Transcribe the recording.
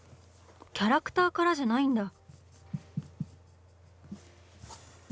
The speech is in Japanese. キャラクターからじゃないんだ？